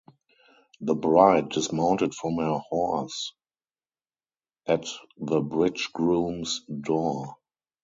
The bride dismounted from her horse at the bridegroom's door.